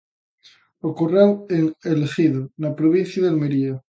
Ocorreu en El Ejido, na provincia de Almería.